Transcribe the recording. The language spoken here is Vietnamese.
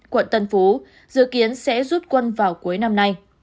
quận tân phú dự kiến sẽ rút quân vào cuối năm nay